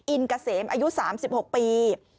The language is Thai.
อินกะเสมอายุ๓๖ปี